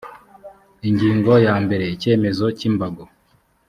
ingingo ya mbere icyemezo cy imbago